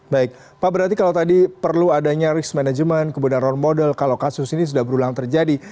baik pak berarti kalau tadi perlu adanya risk management kemudian role model kalau kasus ini sudah berulang terjadi